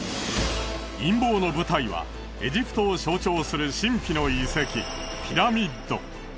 陰謀の舞台はエジプトを象徴する神秘の遺跡ピラミッド。